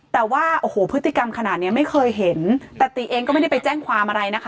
แต่ว่าโอ้โหพฤติกรรมขนาดเนี้ยไม่เคยเห็นแต่ตีเองก็ไม่ได้ไปแจ้งความอะไรนะคะ